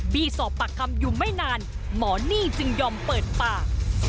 บี้สอบปากคำอยู่ไม่นานหมอนี่จึงยอมเปิดปาก